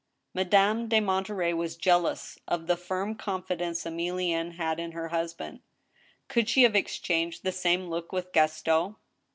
Madame de Monterey was jealous of the firm confidence Emili enne had in her husband. Could she have exchanged the same look with Gaston